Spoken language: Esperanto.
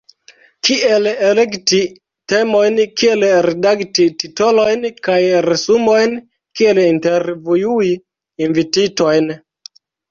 kiel elekti temojn, kiel redakti titolojn kaj resumojn, kiel intervjui invititojn.